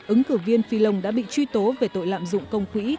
ứng cử viên fillon đã bị truy tố về tội lạm dụng công quỹ